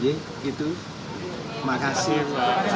ya begitu terima kasih